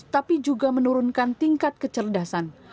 tapi juga menurunkan tingkat kecerdasan